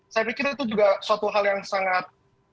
saya pikir itu juga suatu hal yang sangat